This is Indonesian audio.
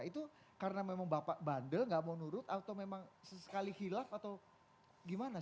itu karena memang bapak bandel gak mau nurut atau memang sesekali hilaf atau gimana